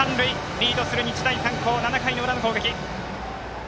リードする日大三高７回の裏の攻撃。